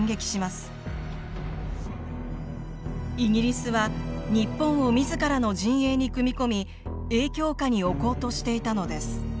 イギリスは日本を自らの陣営に組み込み影響下に置こうとしていたのです。